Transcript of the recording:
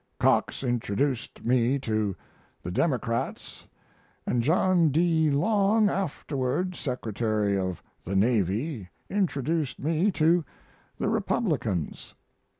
"Cox introduced me to the Democrats, and John D. Long, afterward Secretary of the Navy, introduced me to the Republicans.